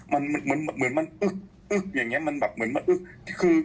มันเหมือนมันอึ๊บอึ๊บอย่างนี้มันแบบเหมือนมันอึ๊บ